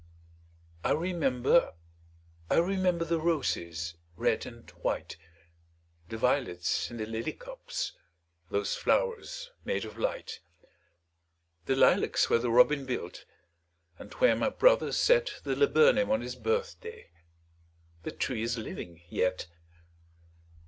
I remember, I remember, The roses, red and white, The violets, and the lily cups, Those flowers made of light! The lilacs where the robin built, And where my brother set The laburnum on his birthday, The tree is living yet!